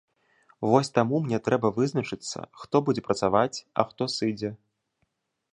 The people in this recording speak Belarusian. Вось таму мне трэба вызначыцца, хто будзе працаваць, а хто сыдзе.